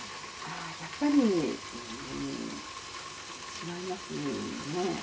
やっぱり違いますね。